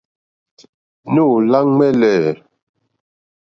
Nóò lâ ŋwɛ́ǃɛ́lɛ́.